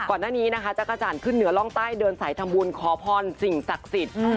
ก่อนหน้านี้นะคะจักรจันทร์ขึ้นเหนือร่องใต้เดินสายทำบุญขอพรสิ่งศักดิ์สิทธิ์